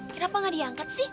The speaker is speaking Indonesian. kenapa gak diangkat sih